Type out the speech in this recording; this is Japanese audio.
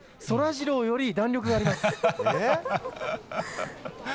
そらジローより弾力があります。